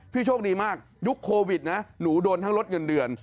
โชคดีมากยุคโควิดนะหนูโดนทั้งลดเงินเดือน